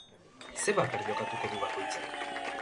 Zer paper jokatu du bakoitzak?